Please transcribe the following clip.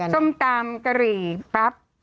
ส้มตำเกรียมปั๊บ